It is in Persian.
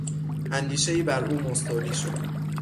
اندیشهای بر او مستولی شد.